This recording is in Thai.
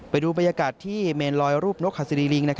ไปดูบรรยากาศที่เมนลอยรูปนกฮาซีรีลิง